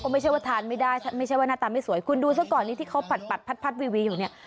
ไม่ใช่ว่าทานไม่ได้ไม่ใช่ว่าหน้าตาไม่สวยคุณดูซะก่อนนี้ที่เขาผัดพัดวีวีอยู่เนี่ย